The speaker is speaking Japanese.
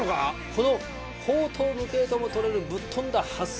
この荒唐無稽とも取れるぶっ飛んだ発想。